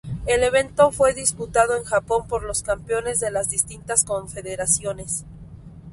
El evento fue disputado en Japón por los campeones de las distintas confederaciones.